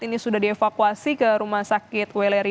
ini sudah dievakuasi ke rumah sakit weleri